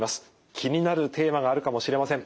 気になるテーマがあるかもしれません。